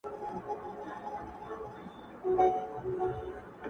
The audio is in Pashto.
ګوښه پروت وو د مېږیانو له آزاره!